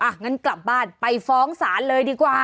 งั้นกลับบ้านไปฟ้องศาลเลยดีกว่า